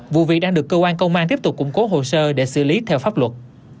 vụ việc đang được cơ quan công an tiếp tục củng cố hồ sơ để xử lý theo pháp luật